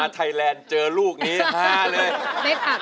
ไทยแลนด์เจอลูกนี้ฮาเลย